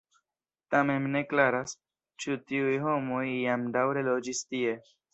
Tamen ne klaras, ĉu tiuj homoj jam daŭre loĝis tie.